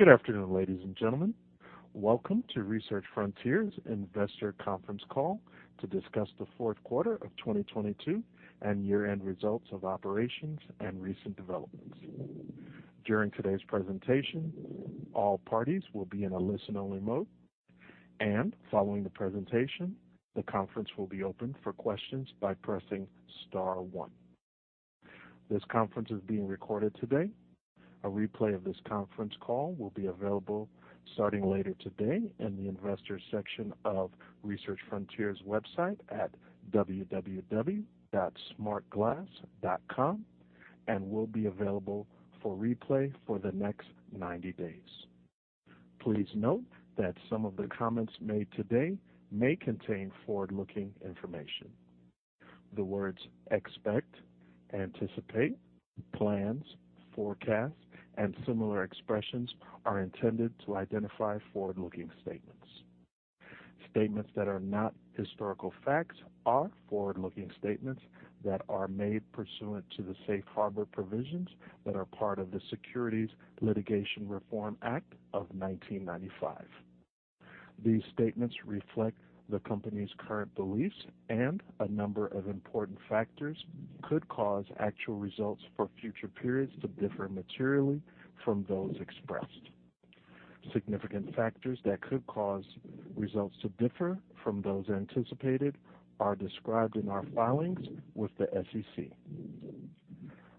Good afternoon, ladies and gentlemen. Welcome to Research Frontiers Investor Conference Call to discuss the fourth quarter of 2022 and year-end results of operations and recent developments. During today's presentation, all parties will be in a listen-only mode. Following the presentation, the conference will be open for questions by pressing star one. This conference is being recorded today. A replay of this conference call will be available starting later today in the investor section of Research Frontiers' website at www.smartglass.com, and will be available for replay for the next 90 days. Please note that some of the comments made today may contain forward-looking information. The words expect, anticipate, plans, forecast, and similar expressions are intended to identify forward-looking statements. Statements that are not historical facts are forward-looking statements that are made pursuant to the safe harbor provisions that are part of the Private Securities Litigation Reform Act of 1995. These statements reflect the company's current beliefs, and a number of important factors could cause actual results for future periods to differ materially from those expressed. Significant factors that could cause results to differ from those anticipated are described in our filings with the SEC.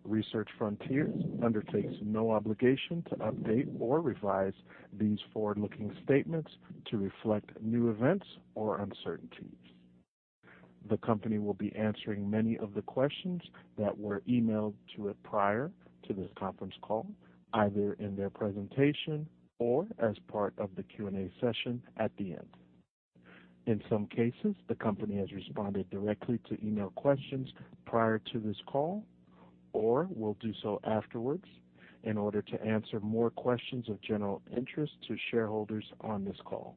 Research Frontiers undertakes no obligation to update or revise these forward-looking statements to reflect new events or uncertainties. The company will be answering many of the questions that were emailed to it prior to this conference call, either in their presentation or as part of the Q&A session at the end. In some cases, the company has responded directly to email questions prior to this call, or will do so afterwards in order to answer more questions of general interest to shareholders on this call.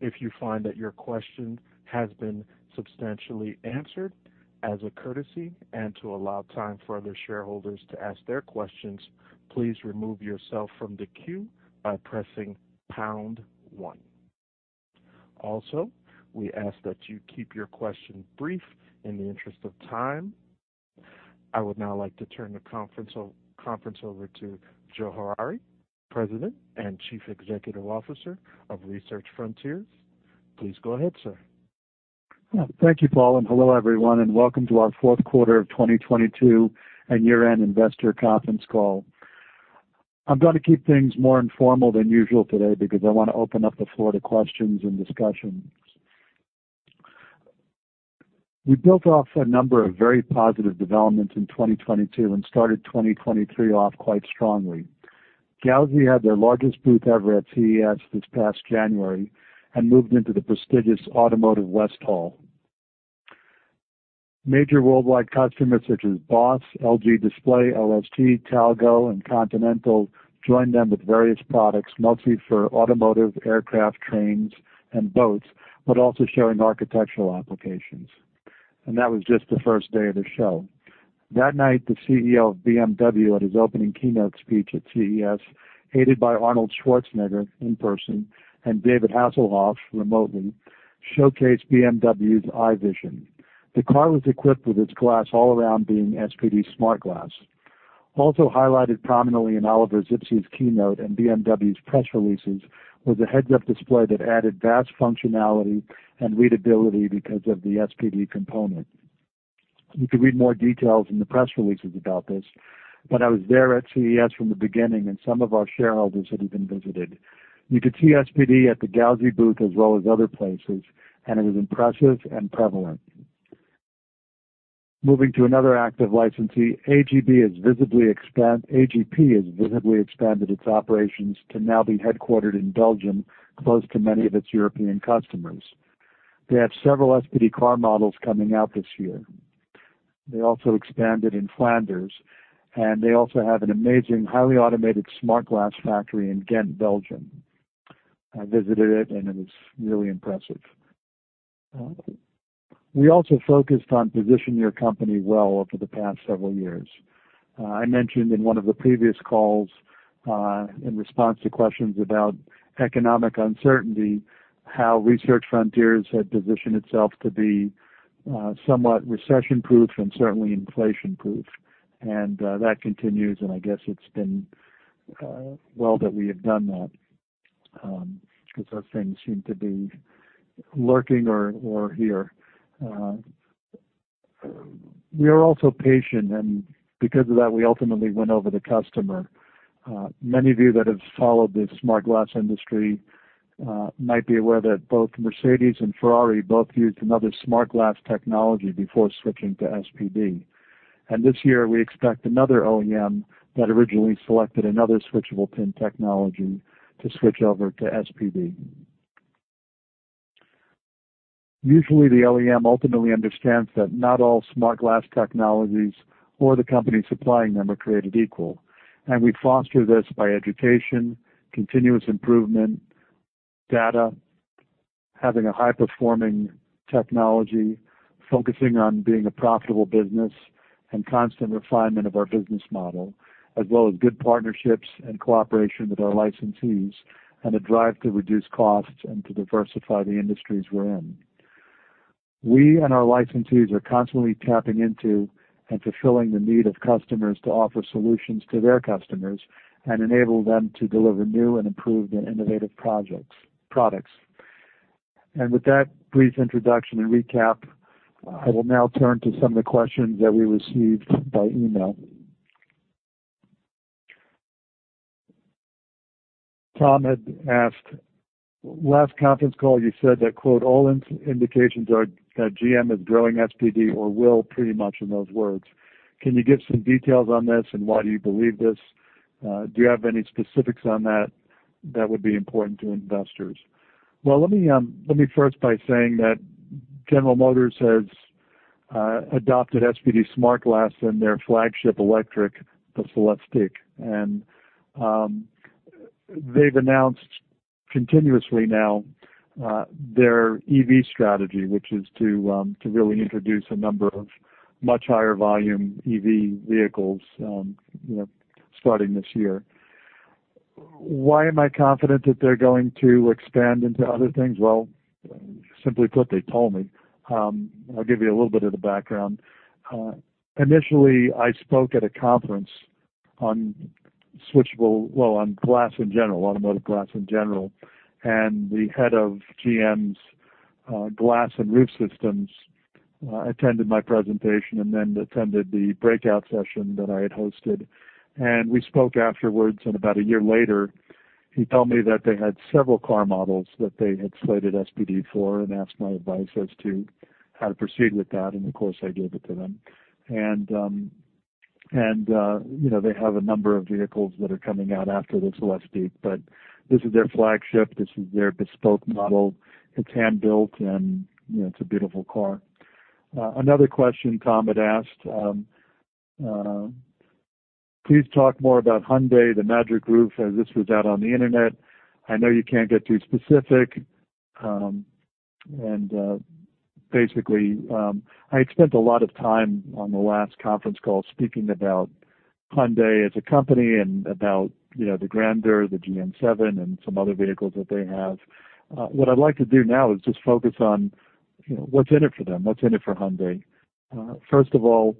If you find that your question has been substantially answered, as a courtesy and to allow time for other shareholders to ask their questions, please remove yourself from the queue by pressing pound one. Also, we ask that you keep your question brief in the interest of time. I would now like to turn the conference over to Joe Harary, President and Chief Executive Officer of Research Frontiers. Please go ahead, sir. Yeah. Thank you, Paul. Hello everyone, and welcome to our fourth quarter of 2022 and year-end investor conference call. I'm gonna keep things more informal than usual today because I wanna open up the floor to questions and discussions. We built off a number of very positive developments in 2022 and started 2023 off quite strongly. Gauzy had their largest booth ever at CES this past January and moved into the prestigious Automotive West Hall. Major worldwide customers such as Bosch, LG Display, LST, Talgo, and Continental joined them with various products, mostly for automotive, aircraft, trains, and boats, but also showing architectural applications. That was just the first day of the show. That night, the CEO of BMW at his opening keynote speech at CES, aided by Arnold Schwarzenegger in person and David Hasselhoff remotely, showcased BMW i Vision. The car was equipped with its glass all around being SPD-SmartGlass. Highlighted prominently in Oliver Zipse's keynote and BMW's press releases was a heads-up display that added vast functionality and readability because of the SPD component. You can read more details in the press releases about this, but I was there at CES from the beginning, and some of our shareholders had even visited. You could see SPD at the Gauzy booth as well as other places, and it was impressive and prevalent. Moving to another active licensee, AGP has visibly expanded its operations to now be headquartered in Belgium, close to many of its European customers. They have several SPD car models coming out this year. They also expanded in Flanders, and they also have an amazing, highly automated smart glass factory in Ghent, Belgium. I visited it. It was really impressive. We also focused on positioning your company well over the past several years. I mentioned in one of the previous calls, in response to questions about economic uncertainty, how Research Frontiers had positioned itself to be somewhat recession-proof and certainly inflation-proof. That continues, and I guess it's been well that we have done that, 'cause those things seem to be lurking or here. We are also patient, and because of that, we ultimately win over the customer. Many of you that have followed the smart glass industry, might be aware that both Mercedes and Ferrari both used another smart glass technology before switching to SPD. This year we expect another OEMs that originally selected another switchable pin technology to switch over to SPD. Usually the OEMs ultimately understands that not all smart glass technologies or the company supplying them are created equal, and we foster this by education, continuous improvement, data, having a high performing technology, focusing on being a profitable business and constant refinement of our business model, as well as good partnerships and cooperation with our licensees and a drive to reduce costs and to diversify the industries we're in. We and our licensees are constantly tapping into and fulfilling the need of customers to offer solutions to their customers and enable them to deliver new and improved and innovative products. With that brief introduction and recap, I will now turn to some of the questions that we received by email. Tom had asked, last conference call, you said that quote, "All indications are that GM is drilling SPD or will pretty much in those words. Can you give some details on this and why do you believe this? Do you have any specifics on that that would be important to investors? Well, let me, let me first by saying that General Motors has adopted SPD-SmartGlass in their flagship electric, the CELESTIQ. They've announced continuously now their EV strategy, which is to really introduce a number of much higher volume EV vehicles, you know, starting this year. Why am I confident that they're going to expand into other things? Well, simply put, they told me. I'll give you a little bit of the background. Initially, I spoke at a conference on switchable, well, on glass in general, automotive glass in general. The head of GM's glass and roof systems attended my presentation and then attended the breakout session that I had hosted. We spoke afterwards, and about 1 year later, he told me that they had several car models that they had slated SPD for and asked my advice as to how to proceed with that. Of course, I gave it to them. You know, they have a number of vehicles that are coming out after the CELESTIQ, but this is their flagship. This is their bespoke model. It's hand-built and, you know, it's a beautiful car. Another question Tom had asked, please talk more about Hyundai, the Magic Roof, as this was out on the Internet. I know you can't get too specific. I spent a lot of time on the last conference call speaking about Hyundai as a company and about, you know, the Grandeur, the GN7, and some other vehicles that they have. What I'd like to do now is just focus on, you know, what's in it for them. What's in it for Hyundai? First of all,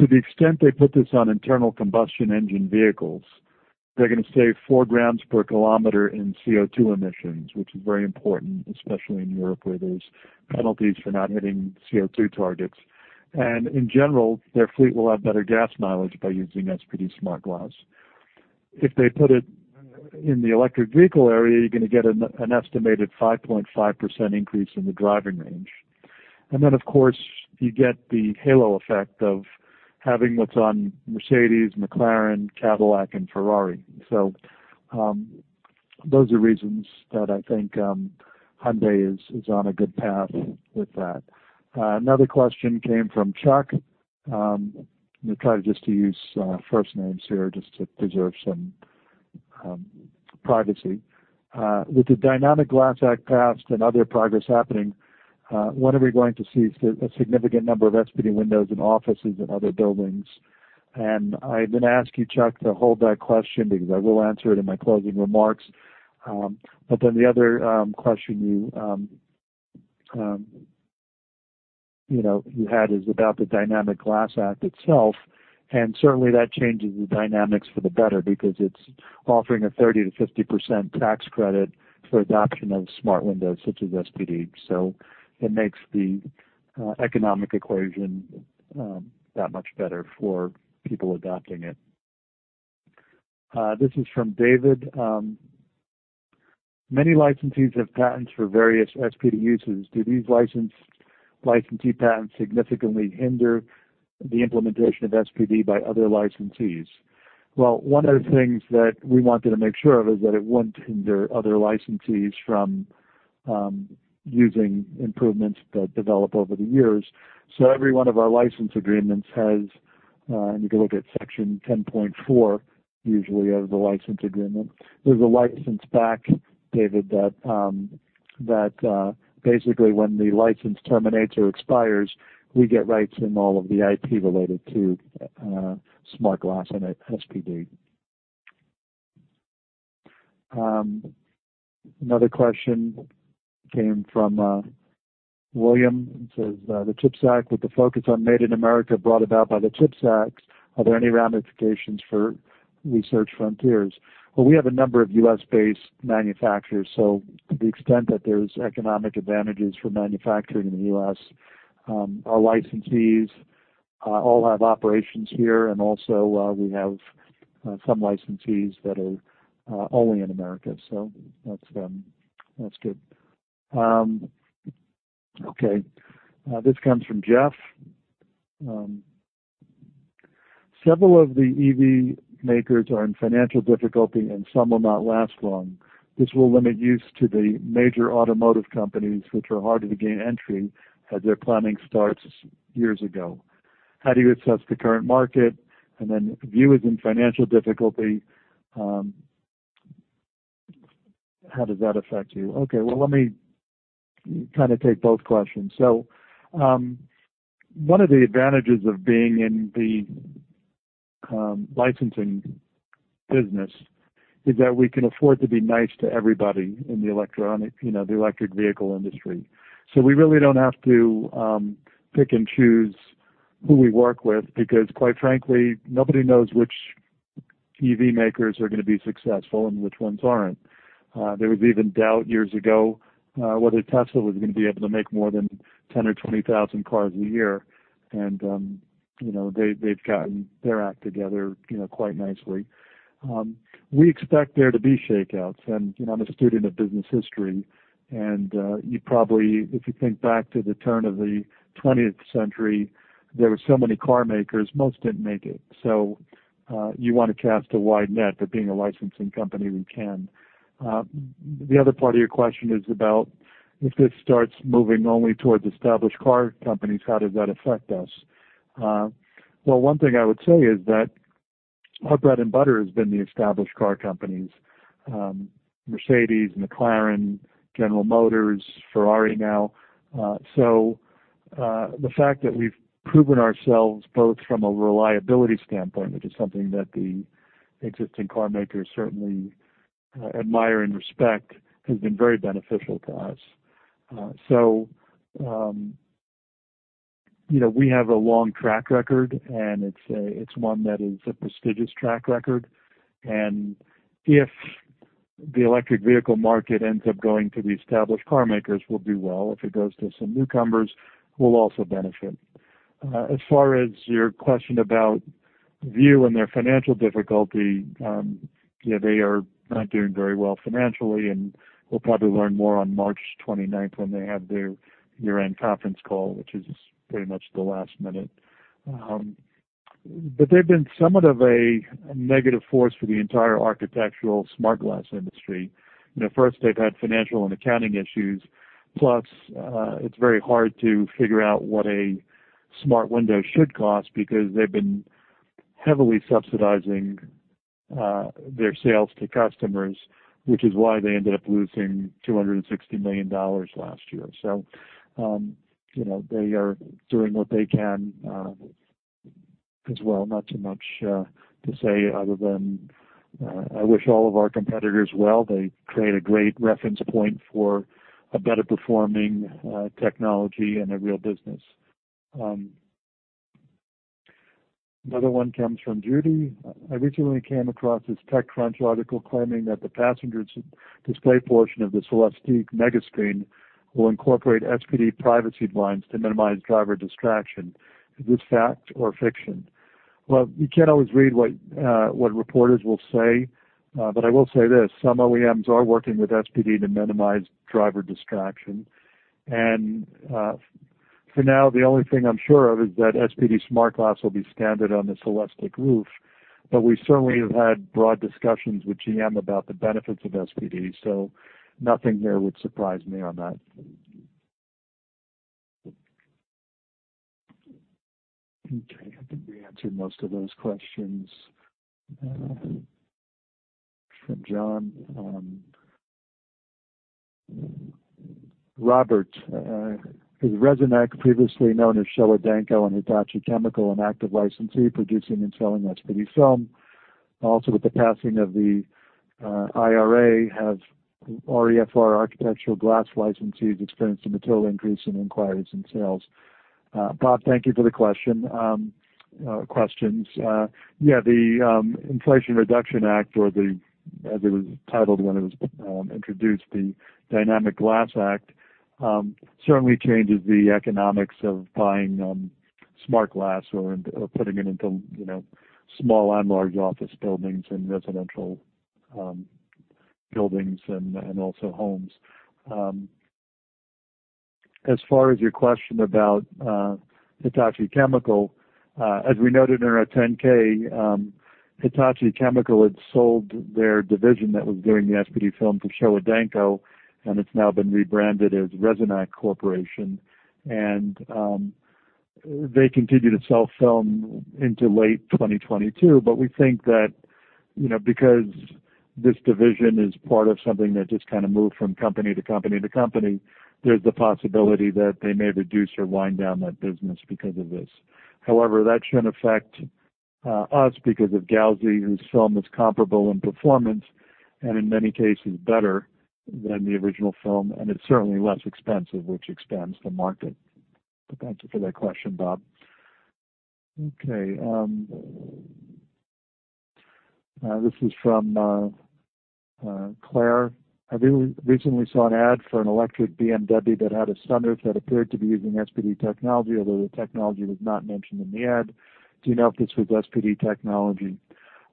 to the extent they put this on internal combustion engine vehicles, they're gonna save 4 g/km in CO2 emissions, which is very important, especially in Europe, where there's penalties for not hitting CO2 targets. And in general, their fleet will have better gas mileage by using SPD-SmartGlass. If they put it in the electric vehicle area, you're gonna get an estimated 5.5% increase in the driving range. Of course, you get the halo effect of having what's on Mercedes, McLaren, Cadillac, and Ferrari. Those are reasons that I think Hyundai is on a good path with that. Another question came from Chuck. I'm gonna try just to use first names here just to preserve some privacy. With the Dynamic Glass Act passed and other progress happening, when are we going to see a significant number of SPD windows in offices and other buildings? I'm gonna ask you, Chuck, to hold that question because I will answer it in my closing remarks. The other question you know, you had is about the Dynamic Glass Act itself. Certainly that changes the dynamics for the better because it's offering a 30%-50% tax credit for adoption of smart windows such as SPD. It makes the economic equation that much better for people adopting it. This is from David. Many licensees have patents for various SPD uses. Do these licensee patents significantly hinder the implementation of SPD by other licensees? One of the things that we wanted to make sure of is that it wouldn't hinder other licensees from using improvements that develop over the years. Every one of our license agreements has, and you can look at Section 10.4 usually of the license agreement. There's a license back, David, that basically, when the license terminates or expires, we get rights in all of the IP related to Smart Glass and SPD. Another question came from William. The CHIPS Act with the focus on Made in America brought about by the CHIPS Act, are there any ramifications for Research Frontiers? We have a number of U.S.-based manufacturers. To the extent that there's economic advantages for manufacturing in the U.S., our licensees all have operations here. We have some licensees that are only in America. That's good. Okay, this comes from Jeff. Several of the EV makers are in financial difficulty, and some will not last long. This will limit use to the major automotive companies which are harder to gain entry as their planning starts years ago. How do you assess the current market? View is in financial difficulty, how does that affect you? Okay, well, let me kinda take both questions. One of the advantages of being in the licensing business is that we can afford to be nice to everybody in the electronic, you know, the electric vehicle industry. We really don't have to pick and choose who we work with because quite frankly, nobody knows which EV makers are gonna be successful and which ones aren't. There was even doubt years ago, whether Tesla was gonna be able to make more than 10 or 20,000 cars a year. You know, they've gotten their act together, you know, quite nicely. We expect there to be shakeouts. You know, I'm a student of business history, and if you think back to the turn of the 20th century, there were so many car makers, most didn't make it. You wanna cast a wide net, but being a licensing company, we can. The other part of your question is about if this starts moving only towards established car companies, how does that affect us? Well, one thing I would say is that our bread and butter has been the established car companies, Mercedes, McLaren, General Motors, Ferrari now. The fact that we've proven ourselves both from a reliability standpoint, which is something that the existing car makers certainly admire and respect, has been very beneficial to us. you know, we have a long track record, and it's one that is a prestigious track record. If the electric vehicle market ends up going to the established car makers, we'll do well. If it goes to some newcomers, we'll also benefit. As far as your question about View and their financial difficulty, yeah, they are not doing very well financially, and we'll probably learn more on March 29th when they have their year-end conference call, which is pretty much the last minute. They've been somewhat of a negative force for the entire architectural smart glass industry. You know, first, they've had financial and accounting issues, plus, it's very hard to figure out what a smart window should cost because they've been heavily subsidizing, their sales to customers, which is why they ended up losing $260 million last year. You know, they are doing what they can. As well, not too much to say other than, I wish all of our competitors well. They create a great reference point for a better performing, technology and a real business. Another one comes from Judy. I recently came across this TechCrunch article claiming that the passenger display portion of the CELESTIQ mega screen will incorporate SPD privacy blinds to minimize driver distraction. Is this fact or fiction? Well, you can't always read what reporters will say. I will say this: Some OEMs are working with SPD to minimize driver distraction. For now, the only thing I'm sure of is that SPD-SmartGlass will be standard on the CELESTIQ roof. We certainly have had broad discussions with GM about the benefits of SPD, so nothing there would surprise me on that. Okay, I think we answered most of those questions. From John, Robert, is Resonac previously known as Showa Denko and Hitachi Chemical an active licensee producing and selling SPD film? With the passing of the IRA, have REFR architectural glass licensees experienced a material increase in inquiries and sales? Bob, thank you for the questions. The Inflation Reduction Act or the, as it was titled when it was introduced, the Dynamic Glass Act, certainly changes the economics of buying smart glass or, and, or putting it into, you know, small and large office buildings and residential buildings and also homes. As far as your question about Hitachi Chemical, as we noted in our 10-K, Hitachi Chemical had sold their division that was doing the SPD film to Showa Denko, and it's now been rebranded as Resonac Corporation. They continued to sell film into late 2022, but we think that, you know, because this division is part of something that just kinda moved from company to company to company, there's the possibility that they may reduce or wind down that business because of this. However, that shouldn't affect us because of Gauzy, whose film is comparable in performance and in many cases better than the original film, and it's certainly less expensive, which expands the market. Thank you for that question, Bob. Okay, this is from Claire. I recently saw an ad for an electric BMW that had a sunroof that appeared to be using SPD technology, although the technology was not mentioned in the ad. Do you know if this was SPD technology?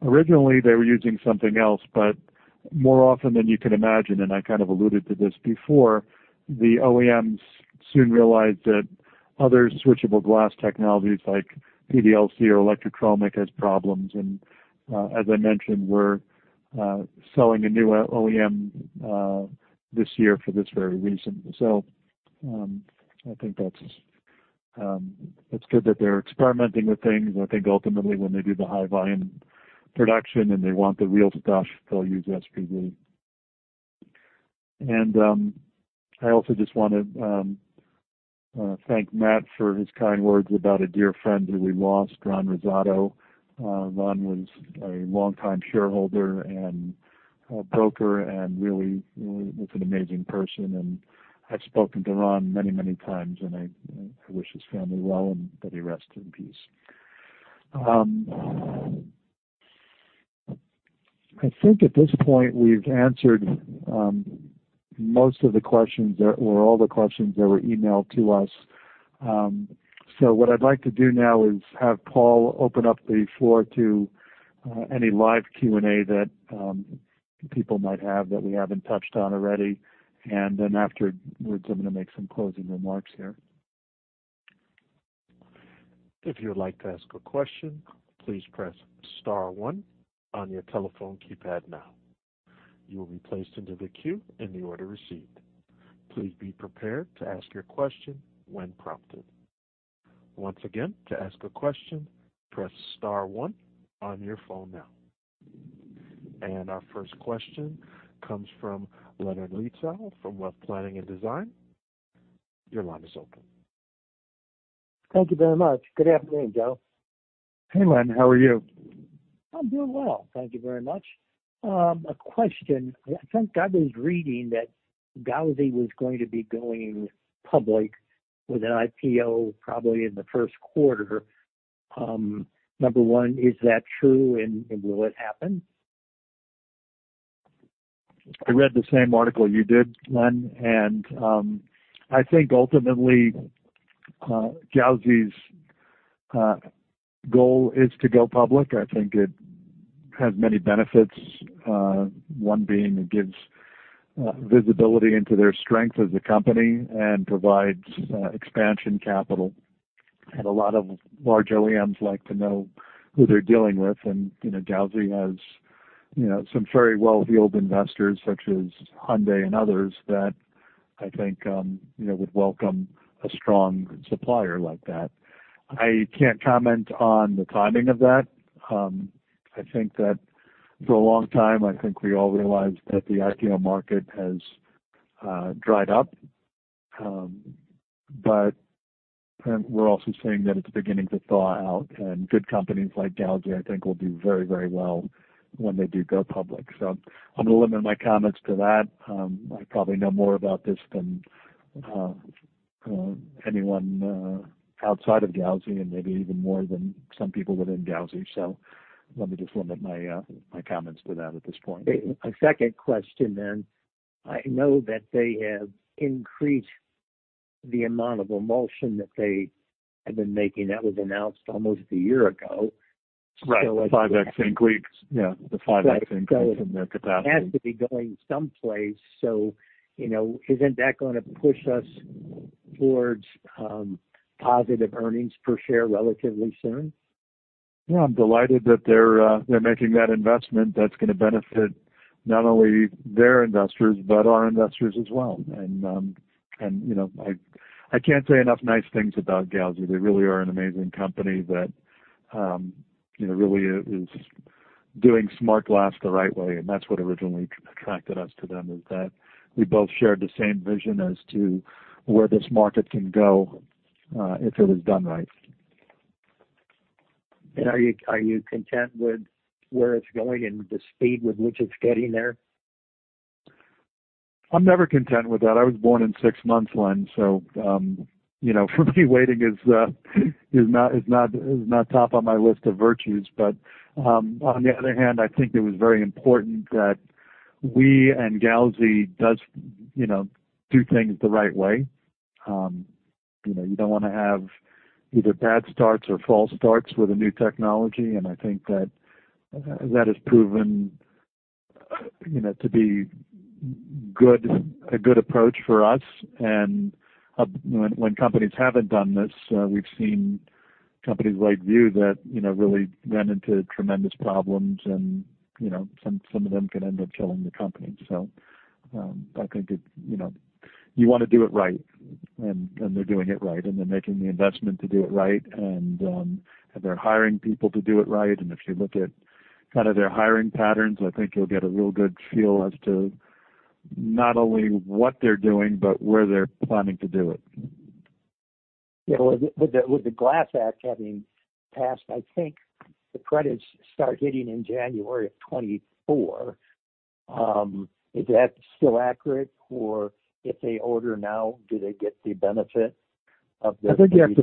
Originally, they were using something else, more often than you can imagine, and I kind of alluded to this before, the OEMs soon realized that other switchable glass technologies like PDLC or electrochromic has problems. As I mentioned, we're selling a new OEMs this year for this very reason. I think that's... It's good that they're experimenting with things. I think ultimately, when they do the high volume production, and they want the real stuff, they'll use SPD. I also just wanna thank Matt for his kind words about a dear friend who we lost, Ron Rosado. Ron was a longtime shareholder and a broker, and really was an amazing person. I've spoken to Ron many, many times, and I wish his family well, and that he rest in peace. I think at this point we've answered most of the questions or all the questions that were emailed to us. What I'd like to do now is have Paul open up the floor to any live Q&A that people might have that we haven't touched on already. Afterwards, I'm gonna make some closing remarks here. If you would like to ask a question, please press star one on your telephone keypad now. You will be placed into the queue in the order received. Please be prepared to ask your question when prompted. Once again, to ask a question, press star one on your phone now. Our first question comes from Leonard Leetzow, from Wealth Planning and Design. Your line is open. Thank you very much. Good afternoon, Joe. Hey, Len. How are you? I'm doing well. Thank you very much. A question. I think I was reading that Gauzy was going to be going public with an IPO probably in the first quarter. Number one, is that true, and will it happen? I read the same article you did, Len, and I think ultimately, Gauzy's goal is to go public. I think it has many benefits, one being it gives visibility into their strength as a company and provides expansion capital. A lot of large OEMs like to know who they're dealing with. You know, Gauzy has, you know, some very well-heeled investors, such as Hyundai and others, that I think, you know, would welcome a strong supplier like that. I can't comment on the timing of that. I think that for a long time, I think we all realized that the IPO market has dried up. We're also seeing that it's beginning to thaw out, and good companies like Gauzy, I think will do very, very well when they do go public. I'm gonna limit my comments to that. I probably know more about this than anyone outside of Gauzy and maybe even more than some people within Gauzy. Let me just limit my comments to that at this point. A second question. I know that they have increased the amount of emulsion that they have been making. That was announced almost a year ago. Right. 5x increase. Yeah, the 5x increase in their capacity. It has to be going someplace, so, you know, isn't that gonna push us towards positive earnings per share relatively soon? Yeah. I'm delighted that they're making that investment that's gonna benefit not only their investors but our investors as well. You know, I can't say enough nice things about Gauzy. They really are an amazing company that, you know, really is doing smart glass the right way, and that's what originally attracted us to them, is that we both shared the same vision as to where this market can go, if it was done right. Are you content with where it's going and the speed with which it's getting there? I'm never content with that. I was born in six months, Len, so, you know, for me, waiting is not top on my list of virtues. On the other hand, I think it was very important that we and Gauzy does, you know, do things the right way. You know, you don't wanna have either bad starts or false starts with a new technology, and I think that that has proven, you know, to be a good approach for us. When companies haven't done this, we've seen companies like View that, you know, really ran into tremendous problems and, you know, some of them can end up killing the company. I think it, you know, you wanna do it right, and they're doing it right. They're making the investment to do it right, and they're hiring people to do it right. If you look at kind of their hiring patterns, I think you'll get a real good feel as to not only what they're doing but where they're planning to do it. Yeah. With the Glass Act having passed, I think the credits start hitting in January of 2024. Is that still accurate? If they order now, do they get the benefit of? I think you have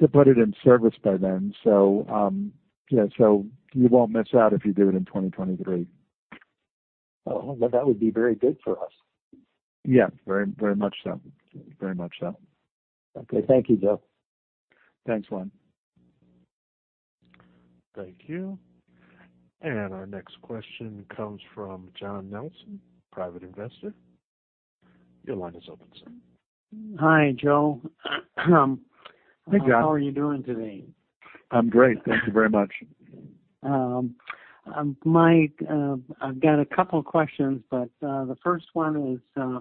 to put it in service by then. Yeah, so you won't miss out if you do it in 2023. Oh, well, that would be very good for us. Yeah. Very, very much so. Very much so. Okay. Thank you, Joe. Thanks, Len. Thank you. Our next question comes from John Nelson, private investor. Your line is open, sir. Hi, Joe. Hey, John. How are you doing today? I'm great. Thank you very much. Mike, I've got a couple questions, but the first one is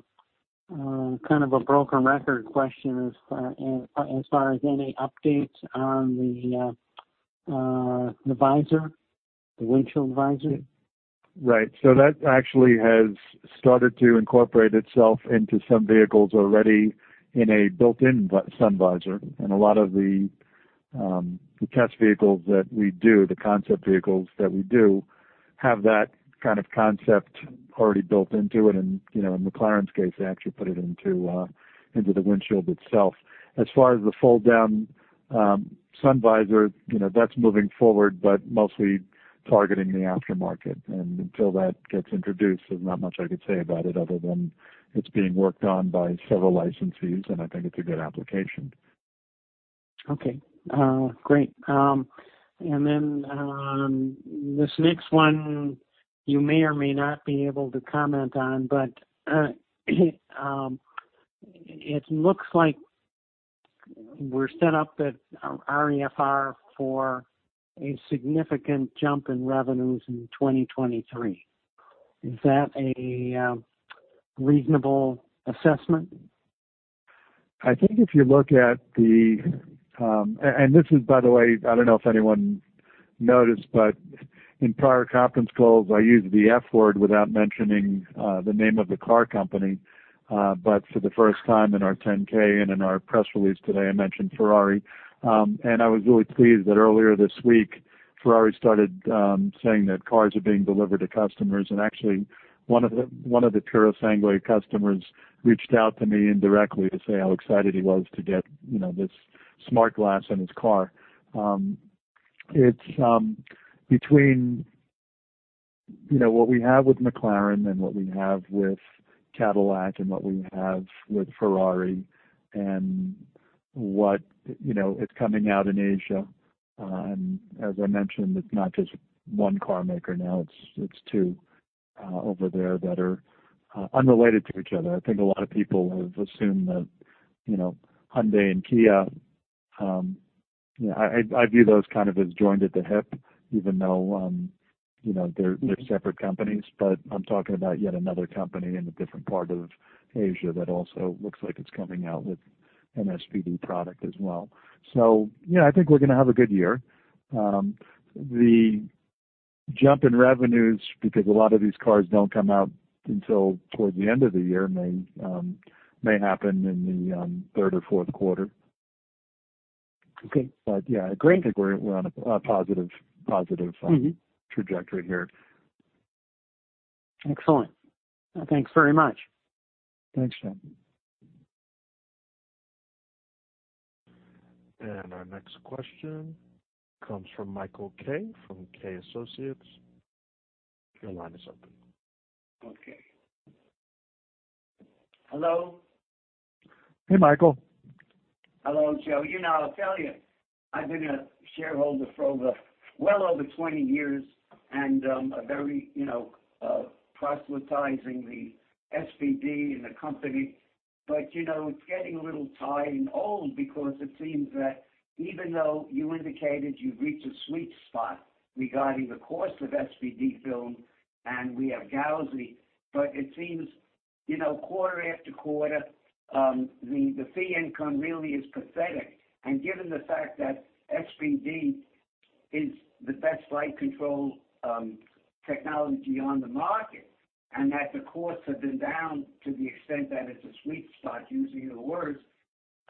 kind of a broken record question as far as any updates on the visor, the windshield visor. That actually has started to incorporate itself into some vehicles already in a built-in sun visor. A lot of the test vehicles that we do, the concept vehicles that we do, have that kind of concept already built into it. You know, in McLaren's case, they actually put it into the windshield itself. As far as the fold down sun visor, you know, that's moving forward, but mostly targeting the aftermarket. Until that gets introduced, there's not much I could say about it other than it's being worked on by several licensees, and I think it's a good application. Okay. Great. This next one you may or may not be able to comment on, but it looks like we're set up at REFR for a significant jump in revenues in 2023. Is that a reasonable assessment? I think if you look at the, this is by the way, I don't know if anyone noticed, but in prior conference calls, I used the F word without mentioning the name of the car company. For the first time in our 10-K and in our press release today, I mentioned Ferrari. I was really pleased that earlier this week, Ferrari started saying that cars are being delivered to customers. Actually, one of the Purosangue customers reached out to me indirectly to say how excited he was to get, you know, this smart glass in his car. It's between, you know, what we have with McLaren and what we have with Cadillac and what we have with Ferrari and what You know, it's coming out in Asia. As I mentioned, it's not just one carmaker now, it's two over there that are unrelated to each other. I think a lot of people have assumed that, you know, Hyundai and Kia, you know, I view those kind of as joined at the hip even though, you know, they're separate companies. I'm talking about yet another company in a different part of Asia that also looks like it's coming out with an SPD product as well. Yeah, I think we're gonna have a good year. The jump in revenues, because a lot of these cars don't come out until toward the end of the year, may happen in the third or fourth quarter. Okay. Great. I think we're on a positive trajectory here. Excellent. Thanks very much. Thanks, John. Our next question comes from Michael Kay from Kay Associates. Your line is open. Okay. Hello. Hey, Michael. Hello, Joe. You know, I'll tell you, I've been a shareholder for over, well over 20 years, and a very, you know, proselytizing the SPD and the company. You know, it's getting a little tired and old because it seems that even though you indicated you've reached a sweet spot regarding the cost of SPD film, and we have Gauzy, but it seems, you know, quarter after quarter, the fee income really is pathetic. Given the fact that SPD is the best light control technology on the market, and that the costs have been down to the extent that it's a sweet spot, using your words,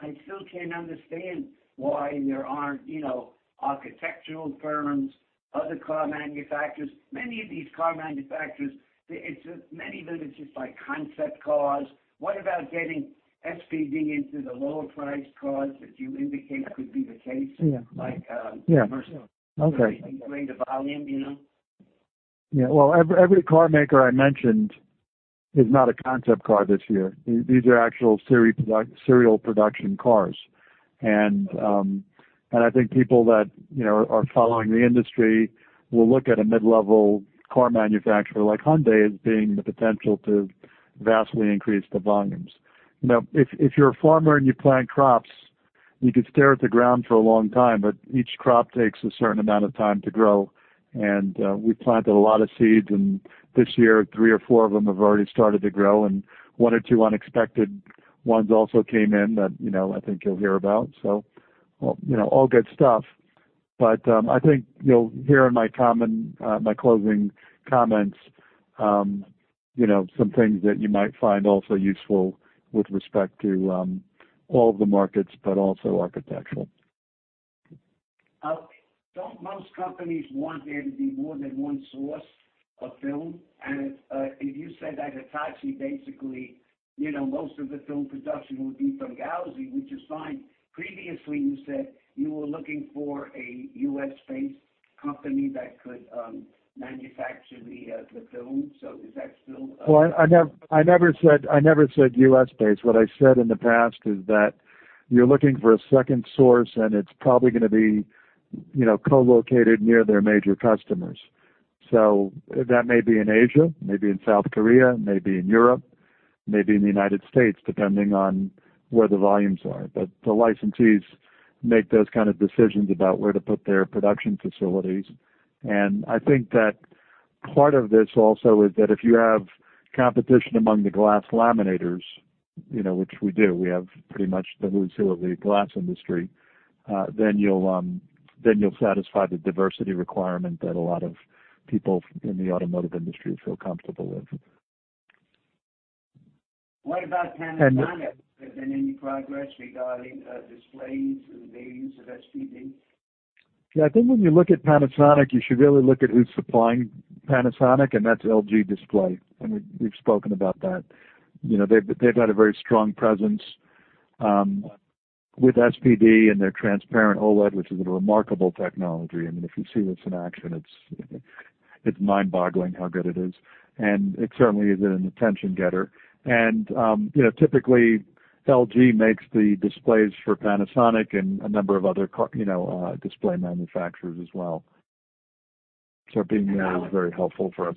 I still can't understand why there aren't, you know, architectural firms, other car manufacturers, many of these car manufacturers, many of them are just like concept cars. What about getting SPD into the lower priced cars that you indicate could be the case? Like Mercedes-Benz. Okay. Increase the volume, you know? Yeah. Well, every car maker I mentioned is not a concept car this year. These are actual series production cars. I think people that, you know, are following the industry will look at a mid-level car manufacturer like Hyundai as being the potential to vastly increase the volumes. You know, if you're a farmer and you plant crops, you could stare at the ground for a long time, but each crop takes a certain amount of time to grow. We planted a lot of seeds, and this year three or four of them have already started to grow. One or two unexpected ones also came in that, you know, I think you'll hear about. All good stuff. I think you'll hear in my common, my closing comments, you know, some things that you might find also useful with respect to all of the markets, but also architectural. Don't most companies want there to be more than one source of film? If you said that Hitachi basically, you know, most of the film production would be from Gauzy, which is fine. Previously, you said you were looking for a U.S.-based company that could manufacture the film. Is that still? Well, I never said U.S.-based. What I said in the past is that you're looking for a second source. It's probably going to be, you know, co-located near their major customers. That may be in Asia, maybe in South Korea, maybe in Europe, maybe in the United States, depending on where the volumes are. The licensees make those kind of decisions about where to put their production facilities. I think that part of this also is that if you have competition among the glass laminators, you know, which we do, we have pretty much the who's who of the glass industry, then you'll satisfy the diversity requirement that a lot of people in the automotive industry feel comfortable with. What about Panasonic? Has there been any progress regarding displays and the use of SPD? Yeah, I think when you look at Panasonic, you should really look at who's supplying Panasonic, and that's LG Display. We've spoken about that. You know, they've had a very strong presence with SPD and their transparent OLED, which is a remarkable technology. I mean, if you see this in action, it's mind-boggling how good it is. It certainly is an attention-getter. You know, typically LG makes the displays for Panasonic and a number of other display manufacturers as well. Being there is very helpful for us.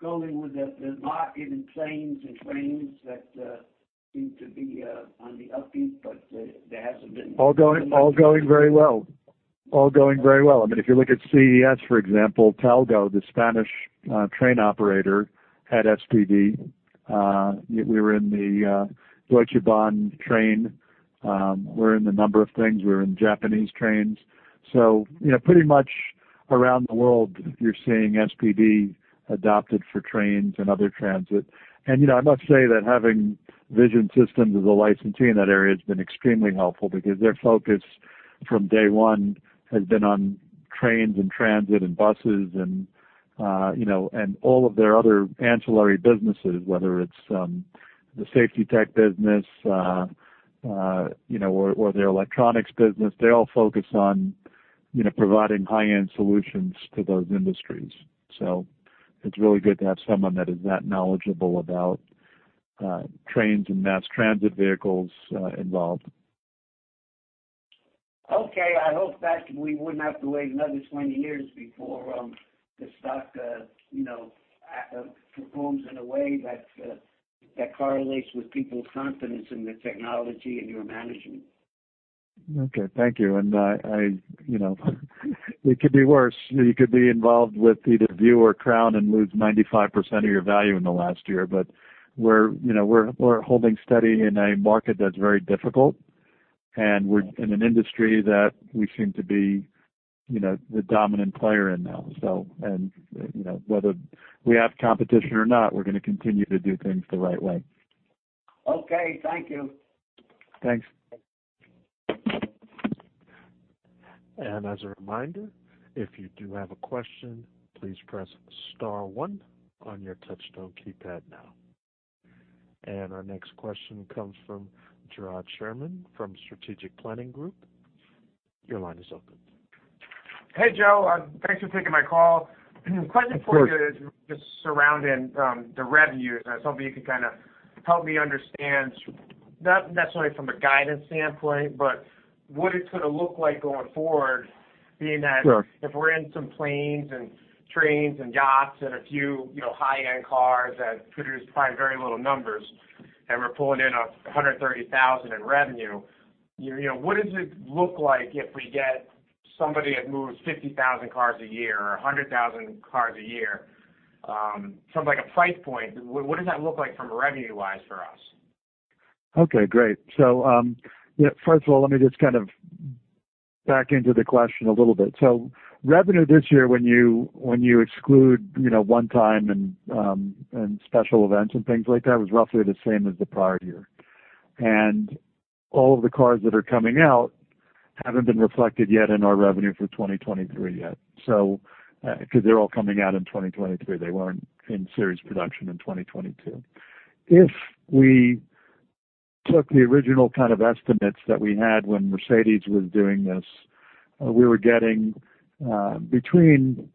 Going with the market in planes and trains that seem to be on the upbeat, but there hasn't been. All going very well. All going very well. I mean, if you look at CES, for example, Talgo, the Spanish train operator, had SPD. We were in the Deutsche Bahn train. We're in a number of things. We're in Japanese trains. You know, pretty much around the world, you're seeing SPD adopted for trains and other transit. You know, I must say that having Vision Systems as a licensee in that area has been extremely helpful because their focus from day one has been on trains and transit and buses and, you know, and all of their other ancillary businesses, whether it's the safety tech business, you know, or their electronics business. They all focus on, you know, providing high-end solutions to those industries.It's really good to have someone that is that knowledgeable about trains and mass transit vehicles involved. Okay. I hope that we wouldn't have to wait another 20 years before, the stock, you know, performs in a way that correlates with people's confidence in the technology and your management. Okay. Thank you. I, you know, it could be worse. You could be involved with either View or Crown and lose 95% of your value in the last year. We're, you know, we're holding steady in a market that's very difficult. We're in an industry that we seem to be, you know, the dominant player in now. You know, whether we have competition or not, we're gonna continue to do things the right way. Okay. Thank you. Thanks. As a reminder, if you do have a question, please press star one on your touchtone keypad now. Our next question comes from Jarrod Sherman from Strategic Planning Group. Your line is open. Hey, Joe. Thanks for taking my call. Of course. Question for you is just surrounding the revenues. I was hoping you could kinda help me understand, not necessarily from a guidance standpoint, but what it's gonna look like going forward? Sure. If we're in some planes and trains and yachts and a few, you know, high-end cars that produce probably very little numbers, and we're pulling in $130,000 in revenue, you know, what does it look like if we get somebody that moves 50,000 cars a year or 100,000 cars a year? From, like, a price point, what does that look like from a revenue-wise for us? Okay. Great. First of all, let me just kind of back into the question a little bit. Revenue this year, when you, when you exclude, you know, one time and special events and things like that, was roughly the same as the prior year. All of the cars that are coming out haven't been reflected yet in our revenue for 2023 yet. 'Cause they're all coming out in 2023. They weren't in series production in 2022. If we took the original kind of estimates that we had when Mercedes-Benz was doing this, we were getting between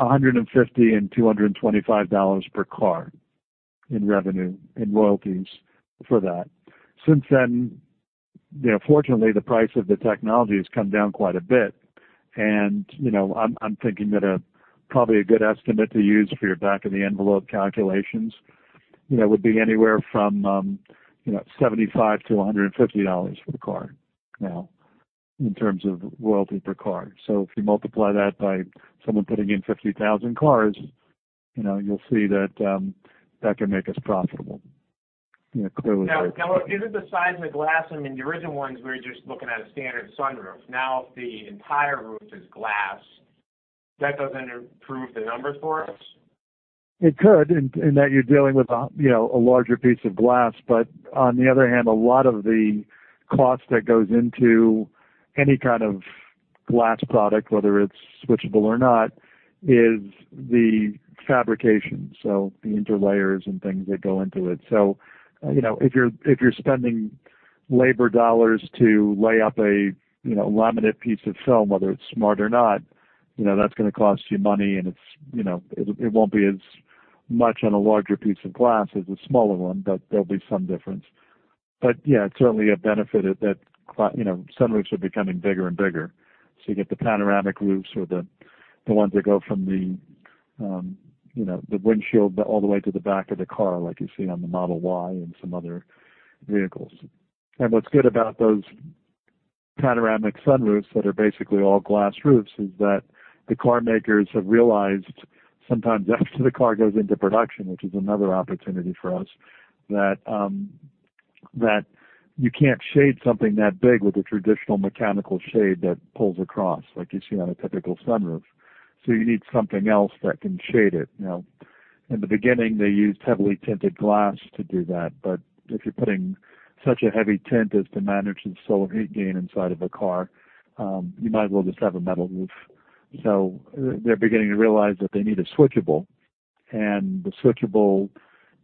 $150–$225 per car in revenue, in royalties for that. Since then, you know, fortunately, the price of the technology has come down quite a bit. You know, I'm thinking that probably a good estimate to use for your back of the envelope calculations, you know, would be anywhere from, you know, $75-$150 for the car now in terms of royalty per car. If you multiply that by someone putting in 50,000 cars, you know, you'll see that that can make us profitable, you know, clearly. Isn't the size of the glass, I mean, the original ones, we're just looking at a standard sunroof? If the entire roof is glass, that doesn't improve the numbers for us? It could in that you're dealing with a, you know, a larger piece of glass. On the other hand, a lot of the cost that goes into any kind of glass product, whether it's switchable or not, is the fabrication, so the interlayers and things that go into it. If you're, you know, if you're spending labor dollars to lay up a, you know, laminate piece of film, whether it's smart or not, you know, that's gonna cost you money, and it's, you know, it won't be as much on a larger piece of glass as a smaller one, but there'll be some difference. Yeah, it's certainly a benefit that, you know, sunroofs are becoming bigger and bigger. You get the panoramic roofs or the ones that go from the, you know, the windshield all the way to the back of the car, like you see on the Model Y and some other vehicles. What's good about those panoramic sunroofs that are basically all glass roofs, is that the car makers have realized sometimes after the car goes into production, which is another opportunity for us, that you can't shade something that big with a traditional mechanical shade that pulls across, like you see on a typical sunroof. You need something else that can shade it. Now, in the beginning, they used heavily tinted glass to do that, but if you're putting such a heavy tint as to manage the solar heat gain inside of a car, you might as well just have a metal roof. They're beginning to realize that they need a switchable, and the switchable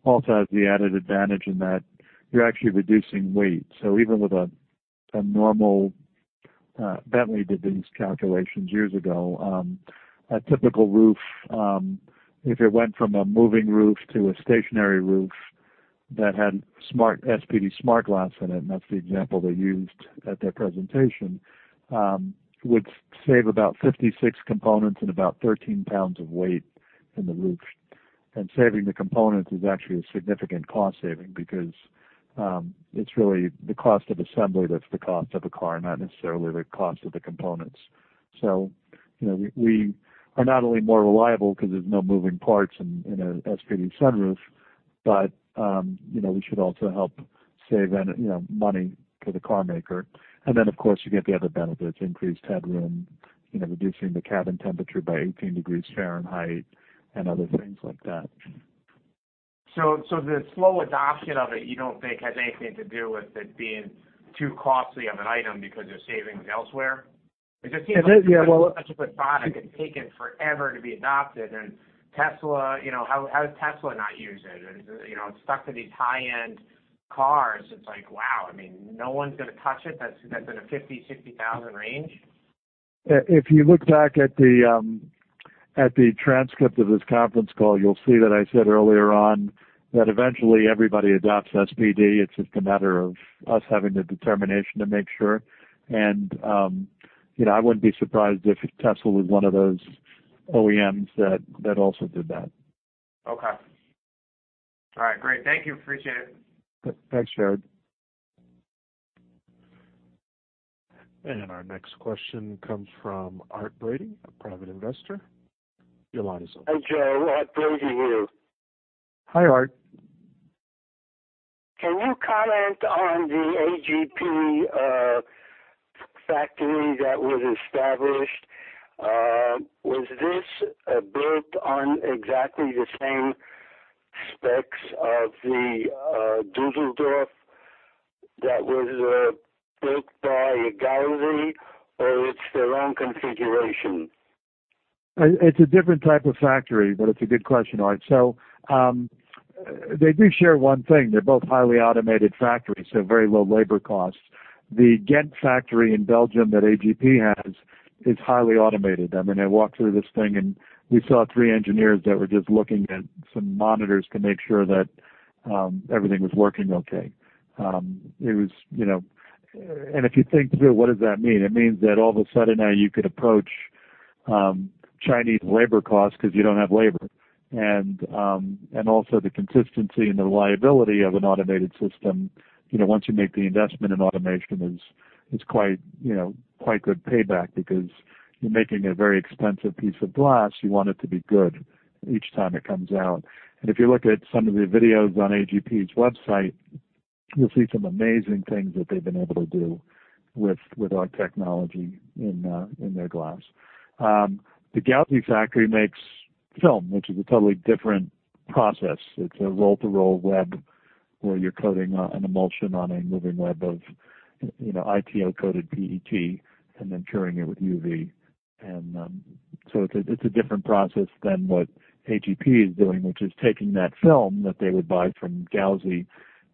also has the added advantage in that you're actually reducing weight. Even with a normal Bentley did these calculations years ago, a typical roof, if it went from a moving roof to a stationary roof that had SPD-SmartGlass in it, and that's the example they used at their presentation, would save about 56 components and about 13 pounds of weight in the roof. Saving the components is actually a significant cost saving because it's really the cost of assembly that's the cost of a car, not necessarily the cost of the components. You know, we are not only more reliable because there's no moving parts in a SPD sunroof, but, you know, we should also help save you know, money for the car maker. Of course, you get the other benefits, increased headroom, you know, reducing the cabin temperature by 18 degrees Fahrenheit and other things like that. The slow adoption of it, you don't think has anything to do with it being too costly of an item because you're saving elsewhere? It just seems like... It is, yeah. Such a good product, it's taken forever to be adopted. Tesla, you know, how does Tesla not use it? You know, it's stuck to these high-end cars. It's like, wow. I mean, no one's gonna touch it that's in a $50,000-$60,000 range? If you look back at the, at the transcript of this conference call, you'll see that I said earlier on that eventually everybody adopts SPD. It's just a matter of us having the determination to make sure. You know, I wouldn't be surprised if Tesla was one of those OEMs that also did that. Okay. All right, great. Thank you. Appreciate it. Thanks, Jared. Our next question comes from Art Brady, a private investor. Your line is open. Hi, Joe. Art Brady here. Hi, Art. Can you comment on the AGP factory that was established? Was this built on exactly the same specs of the Düsseldorf that was built by Gauzy, or it's their own configuration? It's a different type of factory, but it's a good question, Art. They do share one thing. They're both highly automated factories, so very low labor costs. The Ghent factory in Belgium that AGP has is highly automated. I mean, I walked through this thing, and we saw three engineers that were just looking at some monitors to make sure that everything was working okay. It was, you know... If you think through, what does that mean? It means that all of a sudden now you could approach Chinese labor costs because you don't have labor. Also the consistency and the reliability of an automated system. You know, once you make the investment in automation, is quite, you know, quite good payback because you're making a very expensive piece of glass. You want it to be good each time it comes out. If you look at some of the videos on AGP's website, you'll see some amazing things that they've been able to do with our technology in their glass. The Gauzy factory makes film, which is a totally different process. It's a roll-to-roll web where you're coating an emulsion on a moving web of, you know, ITO-coated PET and then curing it with UV. It's a different process than what AGP is doing, which is taking that film that they would buy from Gauzy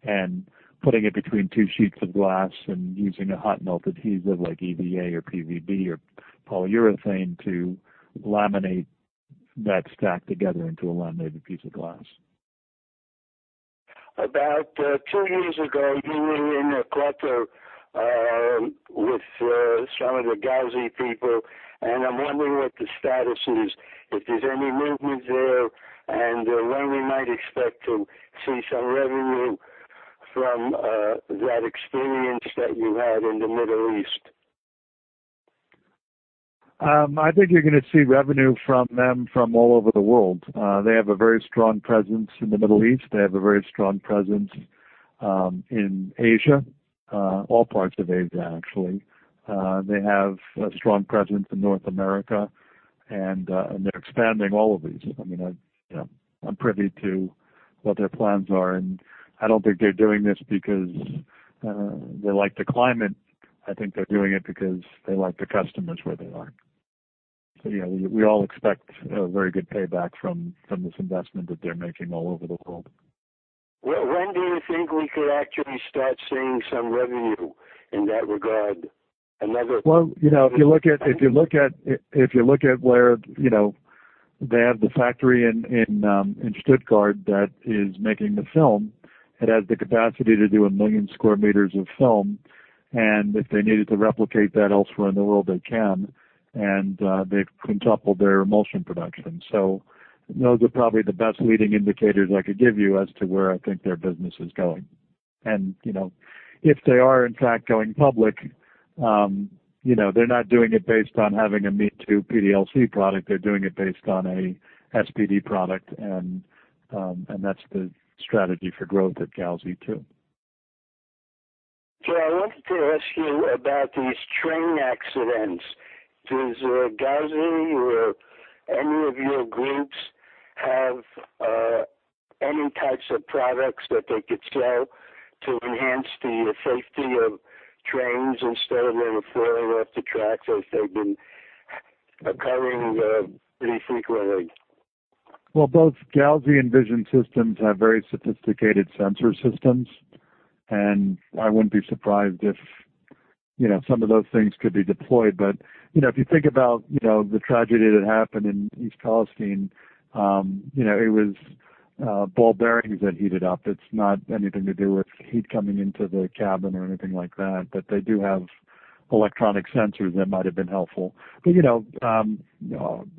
and putting it between two sheets of glass and using a hot melt adhesive like EVA or PVB or polyurethane to laminate that stack together into a laminated piece of glass. About, two years ago, you were in a quarter, with, some of the Gauzy people. I'm wondering what the status is, if there's any movement there and when we might expect to see some revenue from, that experience that you had in the Middle East. I think you're gonna see revenue from them from all over the world. They have a very strong presence in the Middle East. They have a very strong presence in Asia, all parts of Asia, actually. They have a strong presence in North America, and they're expanding all of these. I mean, I, you know, I'm privy to what their plans are, and I don't think they're doing this because they like the climate. I think they're doing it because they like the customers where they are. Yeah, we all expect a very good payback from this investment that they're making all over the world. When do you think we could actually start seeing some revenue in that regard? Well, you know, if you look at where, you know, they have the factory in Stuttgart that is making the film. It has the capacity to do 1 million square meters of film, and if they needed to replicate that elsewhere in the world, they can. They've quintupled their emulsion production. Those are probably the best leading indicators I could give you as to where I think their business is going. You know, if they are in fact going public, you know, they're not doing it based on having a me too PDLC product. They're doing it based on a SPD product. That's the strategy for growth at Gauzy too. Joe, I wanted to ask you about these train accidents. Does Gauzy or any of your groups have any types of products that they could sell to enhance the safety of trains instead of them falling off the tracks as they've been occurring pretty frequently? Both Gauzy and Vision Systems have very sophisticated sensor systems, and I wouldn't be surprised if, you know, some of those things could be deployed. You know, if you think about, you know, the tragedy that happened in East Palestine, you know, it was ball bearings that heated up. It's not anything to do with heat coming into the cabin or anything like that. They do have electronic sensors that might have been helpful. You know,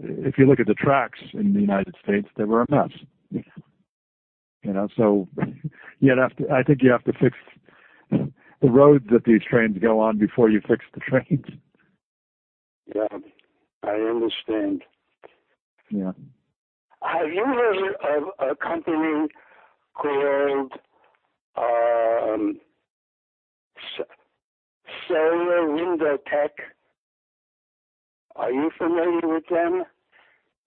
if you look at the tracks in the United States, they were a mess, you know. I think you have to fix the roads that these trains go on before you fix the trains. Yeah, I understand. Have you heard of a company called SolarWindow Technologies? Are you familiar with them?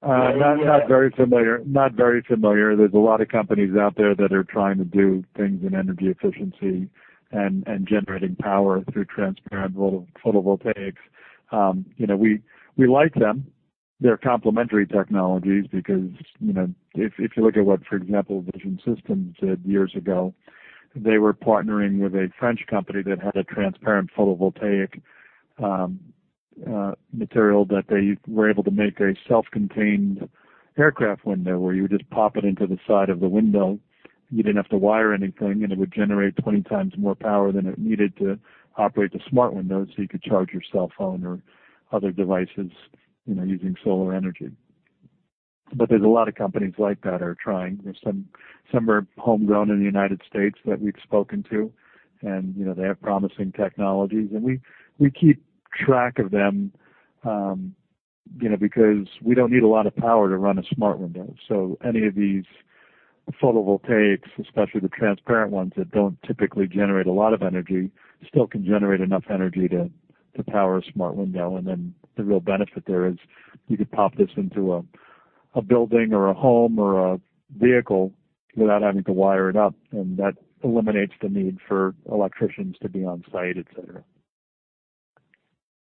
Not very familiar. There's a lot of companies out there that are trying to do things in energy efficiency and generating power through transparent photovoltaics. You know, we like them. They're complementary technologies because, you know, if you look at what, for example, Vision Systems did years ago, they were partnering with a French company that had a transparent photovoltaic material that they were able to make a self-contained aircraft window, where you would just pop it into the side of the window. You didn't have to wire anything, and it would generate 20 times more power than it needed to operate the smart window, so you could charge your cell phone or other devices, you know, using solar energy. There's a lot of companies like that are trying. There's some are homegrown in the United States that we've spoken to, and, you know, they have promising technologies. We, we keep track of them, you know, because we don't need a lot of power to run a smart window. Any of these photovoltaics, especially the transparent ones that don't typically generate a lot of energy, still can generate enough energy to power a smart window. Then the real benefit there is you could pop this into a building or a home or a vehicle without having to wire it up, and that eliminates the need for electricians to be on site, et cetera.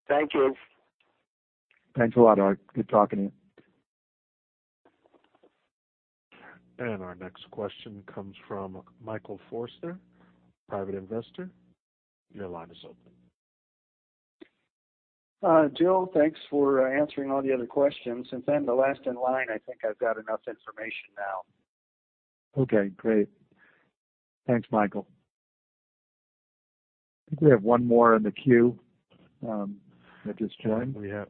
Thank you. Thanks a lot, Art. Good talking to you. Our next question comes from Michael Forster, Private Investor. Your line is open. Joe, thanks for answering all the other questions. Since I'm the last in line, I think I've got enough information now. Okay, great. Thanks, Michael. I think we have one more in the queue, that just joined. We have.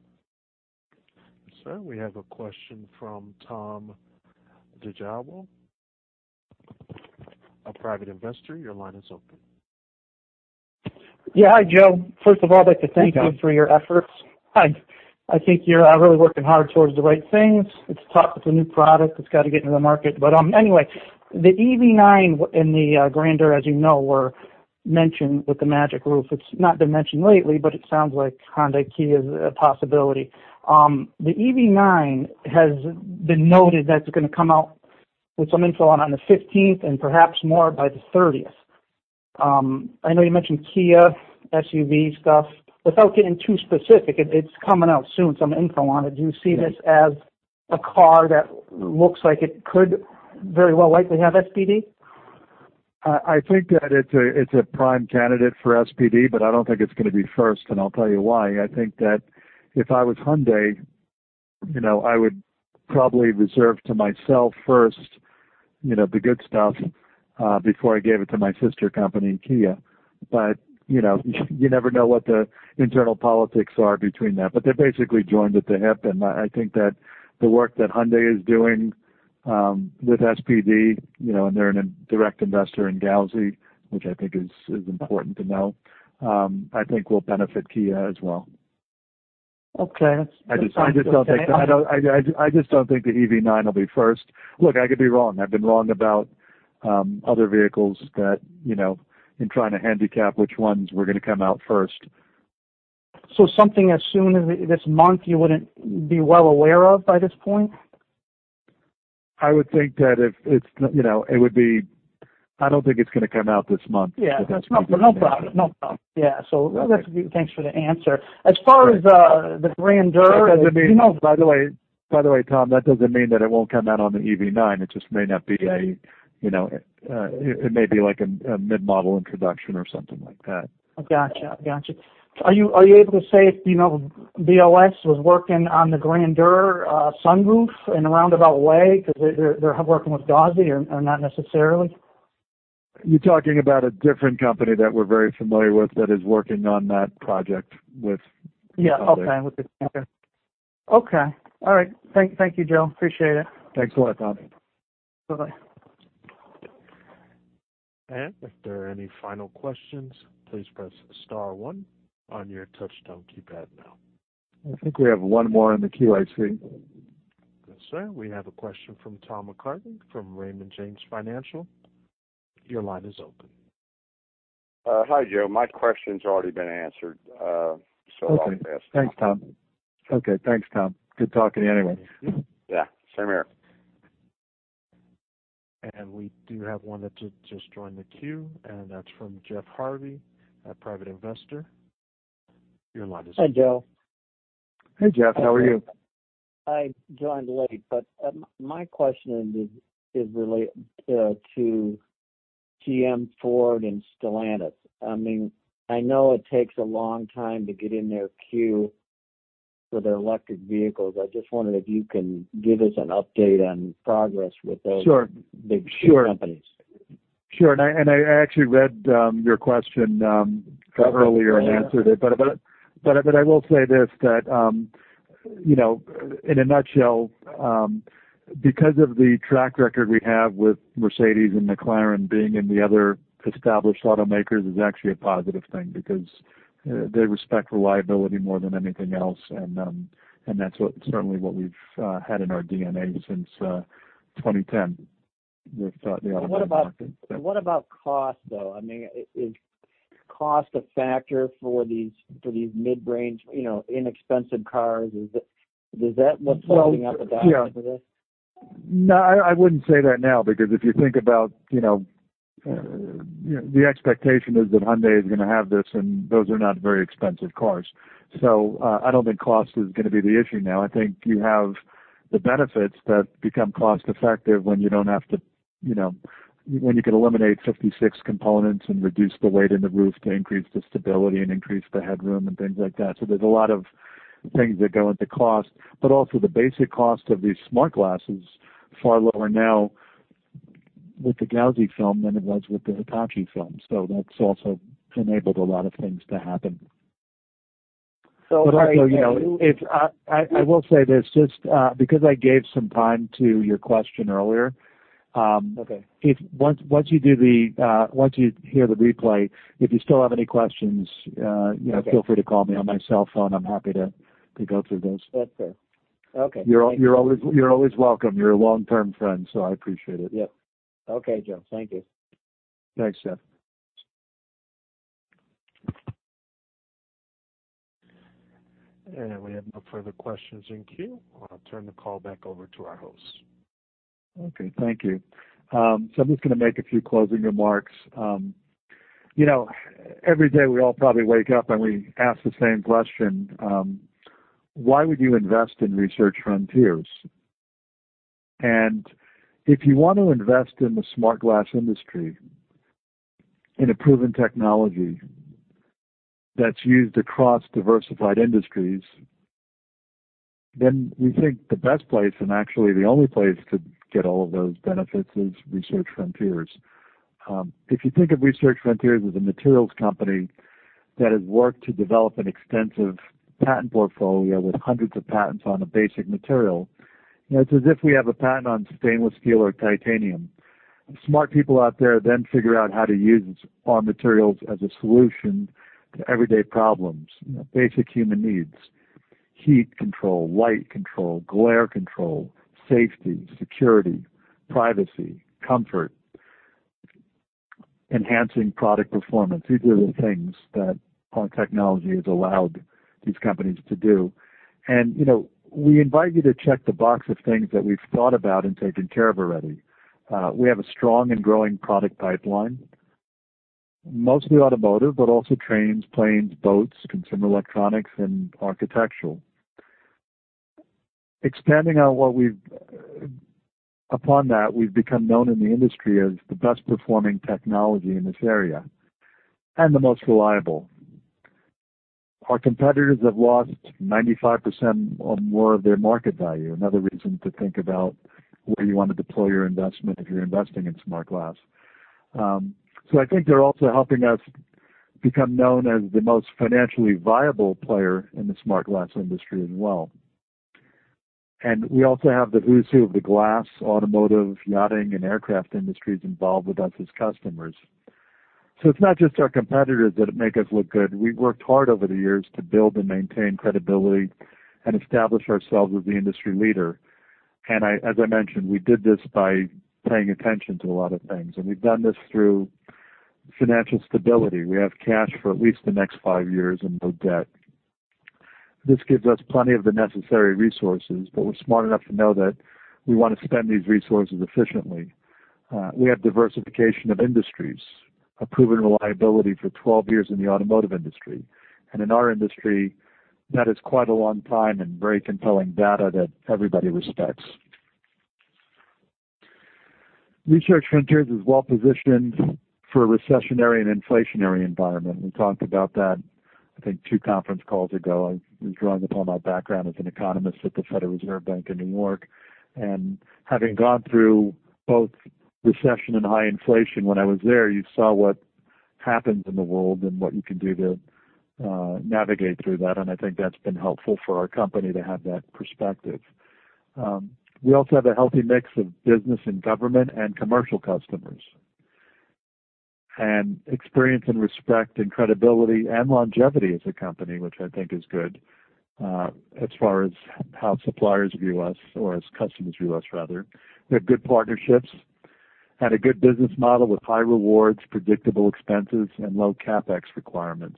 Sir, we have a question from Tom DiGiavo, a private investor. Your line is open. Yeah. Hi, Joe. First of all, I'd like to thank you. Hi, Tom for your efforts. Hi. I think you're really working hard towards the right things. It's tough with a new product. It's got to get into the market. Anyway, the EV9 and the Grandeur, as you know, were mentioned with the Magic Roof. It's not been mentioned lately, but it sounds like Hyundai Kia is a possibility. The EV9 has been noted that it's gonna come out with some info on the 15th and perhaps more by the 30th. I know you mentioned Kia SUV stuff. Without getting too specific, it's coming out soon, some info on it. Do you see this as a car that looks like it could very well likely have SPD? I think that it's a prime candidate for SPD, but I don't think it's gonna be first, and I'll tell you why. I think that if I was Hyundai, you know, I would probably reserve to myself first, you know, the good stuff before I gave it to my sister company in Kia. You know, you never know what the internal politics are between them. They're basically joined at the hip. I think that the work that Hyundai is doing with SPD, you know, and they're a direct investor in Gauzy, which I think is important to know, I think will benefit Kia as well. Okay. That's. I just don't think that. I just don't think the EV9 will be first. Look, I could be wrong. I've been wrong about other vehicles that, you know, in trying to handicap which ones were gonna come out first. Something as soon as this month, you wouldn't be well aware of by this point? I would think that if it's, you know, I don't think it's gonna come out this month. Yeah. That's no problem. No problem. Yeah. That's good. Thanks for the answer. As far as the Grandeur, you know. By the way, Tom, that doesn't mean that it won't come out on the EV9. It just may not be a, you know, it may be like a mid-model introduction or something like that. Gotcha. Gotcha. Are you able to say if, you know, BOS was working on the Grandeur sunroof in a roundabout way because they're working with Gauzy, or not necessarily? You're talking about a different company that we're very familiar with that is working on that project. Yeah. Okay. With the. Okay. All right. Thank you, Joe. Appreciate it. Thanks a lot, Tom. Bye-bye. If there are any final questions, please press star one on your touchtone keypad now. I think we have one more in the queue, I.C. Yes, sir. We have a question from Tom McCarthy from Raymond James Financial. Your line is open. Hi, Joe. My question's already been answered, so I'll pass. Okay. Thanks, Tom. Good talking to you anyway. Yeah, same here. We do have one that just joined the queue, and that's from Jeff Harvey, a private investor. Your line is open. Hi, Joe. Hey, Jeff. How are you? My question is relate to GM, Ford, and Stellantis. I mean, I know it takes a long time to get in their queue for their electric vehicles. I just wondered if you can give us an update on progress with those? Sure. Big companies. Sure. I, and I actually read your question earlier and answered it. I will say this, that, you know, in a nutshell, because of the track record we have with Mercedes-Benz and McLaren being in the other established automakers is actually a positive thing because they respect reliability more than anything else. That's certainly what we've had in our DNA since 2010. We've got the automotive market. What about, what about cost, though? I mean, is cost a factor for these, for these mid-range, you know, inexpensive cars? Is that what's holding up adoption for this? No, I wouldn't say that now because if you think about, you know, you know, the expectation is that Hyundai is gonna have this, and those are not very expensive cars. I don't think cost is gonna be the issue now. I think you have the benefits that become cost-effective when you don't have to, when you can eliminate 56 components and reduce the weight in the roof to increase the stability and increase the headroom and things like that. There's a lot of things that go into cost, but also the basic cost of these smart glasses, far lower now with the Gauzy film than it was with the Hitachi film. That's also enabled a lot of things to happen also, you know, it's, I will say this, just, because I gave some time to your question earlier. Okay. if once you do the, once you hear the replay, if you still have any questions, you know. Okay. Feel free to call me on my cell phone. I'm happy to go through those. That's fair. Okay. You're always welcome. You're a long-term friend, so I appreciate it. Yep. Okay, Joe. Thank you. Thanks, Jeff. We have no further questions in queue. I'll turn the call back over to our host. Okay. Thank you. I'm just gonna make a few closing remarks. You know, every day we all probably wake up, and we ask the same question, why would you invest in Research Frontiers? If you want to invest in the smart glass industry in a proven technology that's used across diversified industries, then we think the best place and actually the only place to get all of those benefits is Research Frontiers. If you think of Research Frontiers as a materials company that has worked to develop an extensive patent portfolio with hundreds of patents on a basic material, you know, it's as if we have a patent on stainless steel or titanium. Smart people out there then figure out how to use our materials as a solution to everyday problems. You know, basic human needs: heat control, light control, glare control, safety, security, privacy, comfort, enhancing product performance. These are the things that our technology has allowed these companies to do. You know, we invite you to check the box of things that we've thought about and taken care of already. We have a strong and growing product pipeline, mostly automotive, but also trains, planes, boats, consumer electronics, and architectural. Expanding upon that, we've become known in the industry as the best performing technology in this area, and the most reliable. Our competitors have lost 95% or more of their market value. Another reason to think about where you want to deploy your investment if you're investing in smart glass. I think they're also helping us become known as the most financially viable player in the smart glass industry as well. We also have the who's who of the glass, automotive, yachting, and aircraft industries involved with us as customers. It's not just our competitors that make us look good. We worked hard over the years to build and maintain credibility and establish ourselves as the industry leader. As I mentioned, we did this by paying attention to a lot of things, and we've done this through financial stability. We have cash for at least the next five years and no debt. This gives us plenty of the necessary resources, but we're smart enough to know that we wanna spend these resources efficiently. We have diversification of industries, a proven reliability for 12 years in the automotive industry. In our industry, that is quite a long time and very compelling data that everybody respects. Research Frontiers is well-positioned for a recessionary and inflationary environment. We talked about that, I think two conference calls ago. I was drawing upon my background as an economist at the Federal Reserve Bank of New York, and having gone through both recession and high inflation when I was there, you saw what happens in the world and what you can do to navigate through that. I think that's been helpful for our company to have that perspective. We also have a healthy mix of business and government and commercial customers. Experience and respect and credibility and longevity as a company, which I think is good as far as how suppliers view us or as customers view us rather. We have good partnerships and a good business model with high rewards, predictable expenses, and low CapEx requirements.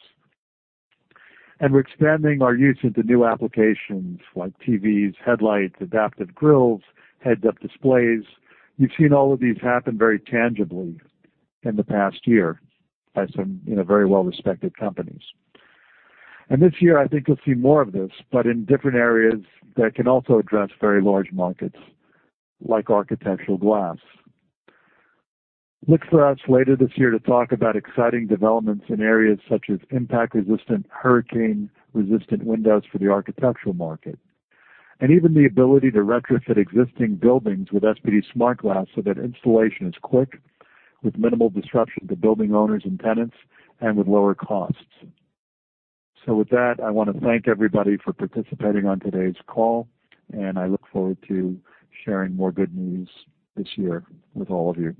We're expanding our use into new applications like TVs, headlights, adaptive grilles, heads-up displays. You've seen all of these happen very tangibly in the past year by some, you know, very well-respected companies. This year, I think you'll see more of this, but in different areas that can also address very large markets, like architectural glass. Look for us later this year to talk about exciting developments in areas such as impact-resistant, hurricane-resistant windows for the architectural market. Even the ability to retrofit existing buildings with SPD-SmartGlass so that installation is quick, with minimal disruption to building owners and tenants, and with lower costs. With that, I wanna thank everybody for participating on today's call, and I look forward to sharing more good news this year with all of you.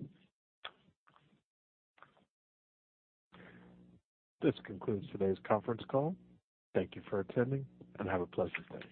This concludes today's conference call. Thank you for attending, and have a pleasant day.